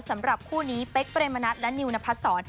สำหรับคู่นี้เป๊กเปรมรถและนิลนาภัทรสอน